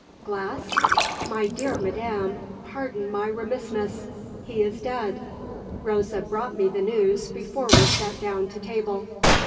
"Glass? My dear madam, pardon my remissness; he is dead. Rosa brought me the news before we sat down to table."